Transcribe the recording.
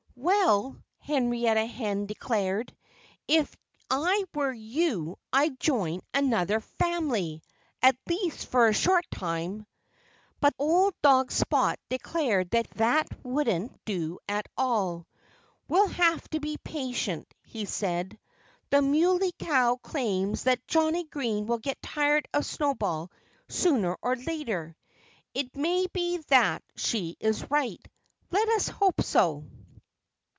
"Well," Henrietta Hen declared, "if I were you I'd join another family at least for a short time." But old dog Spot declared that that wouldn't do at all. "We'll have to be patient," he said. "The Muley Cow claims that Johnnie Green will get tired of Snowball sooner or later. It may be that she is right. Let us hope so!"